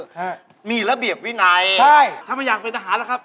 ฮะมีระเบียบวินัยใช่ถ้าไม่อยากเป็นทหารล่ะครับ